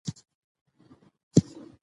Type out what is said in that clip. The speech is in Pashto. په افغانستان کې ولایتونه ډېر زیات اهمیت لري.